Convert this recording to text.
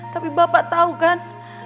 tapi bapak tau kan